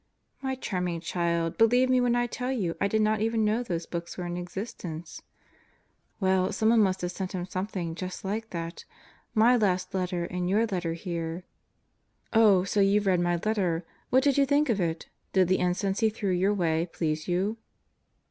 "My charming child, believe me when I tell you I did not even know those books were in existence." "Well, someone must have sent him something just like that. My last letter and your letter here ..." "Oh, so youVe read my letter. What did you think of it? Did the incense he threw your way please you?"